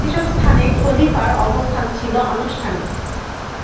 এসব স্থানে খলিফার অবস্থান ছিল আনুষ্ঠানিক।